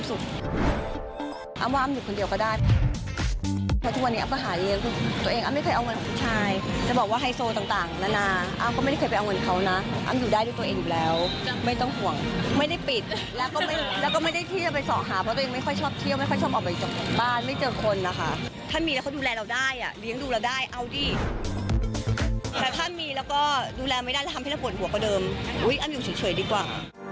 อุ๊ยอันนี้อยู่เฉยดีกว่า